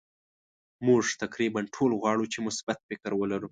مونږ تقریبا ټول غواړو چې مثبت فکر ولرو.